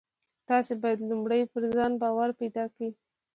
تاسې بايد لومړی پر ځان باور پيدا کړئ.